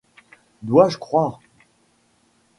Dois-je croire ?